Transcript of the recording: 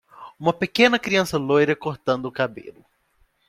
Uma pequena criança loira cortando o cabelo